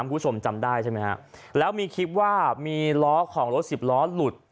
คุณผู้ชมจำได้ใช่ไหมฮะแล้วมีคลิปว่ามีล้อของรถสิบล้อหลุด